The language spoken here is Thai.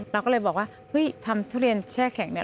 เราก็เลยบอกว่าเฮ้ยทำทุเรียนแช่แข็งเนี่ย